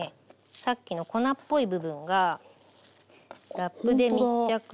さっきの粉っぽい部分がラップで密着して。